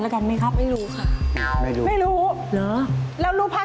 ดีใจนะดีใจมาก